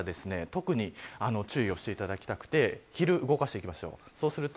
特に注意をしていただきたくて昼、動かしていきましょう。